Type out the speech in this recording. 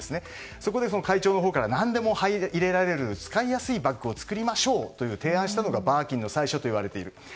そこで会長のほうから何でも入れられる使いやすいバッグを作りましょうと提案したのがバーキンの最初といわれている。